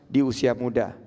di usia muda